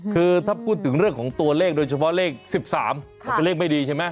คือถ้าพูดถึงเรื่องของตัวเลขโดยเฉพาะเลข๑๓มันเป็นเลขไม่ดีใช่ไหม